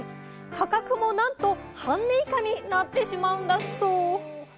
価格もなんと半値以下になってしまうんだそう。